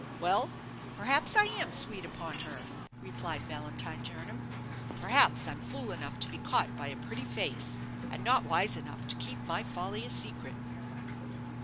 "Well, perhaps I am sweet upon her," replied Valentine Jernam "perhaps I'm fool enough to be caught by a pretty face, and not wise enough to keep my folly a secret."